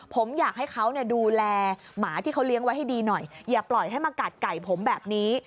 ผมอยากให้เขาดูแลหมาที่เขาเลี้ยงไว้ให้ดีหน่อยอย่าปล่อยให้มากัดไก่ผมแบบนี้